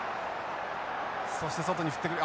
そして外に振ってくる。